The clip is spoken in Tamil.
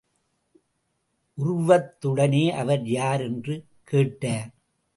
உர்வத் உடனே, அவர் யார்? என்று கேட்டார்.